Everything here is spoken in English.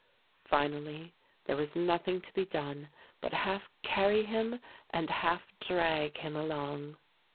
Finally there was nothing to be done but half carry him and half drag him along.